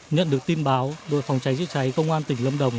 nhận được tin báo đội phòng cháy chữa cháy công an tỉnh lâm đồng